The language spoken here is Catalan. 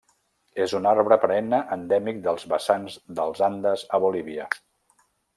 És un arbre perenne endèmic dels vessants dels Andes a Bolívia.